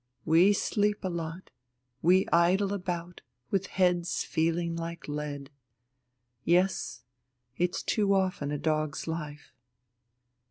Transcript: We sleep a lot, we idle about with heads feeling like lead. Yes, it's too often a dog's life."